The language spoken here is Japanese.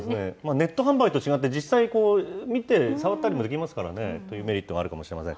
ネット販売と違って、実際見て、触ったりもできますからね、そういうメリットはあるかもしれません。